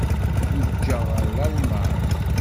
Guǧǧeɣ ɣer Lalman.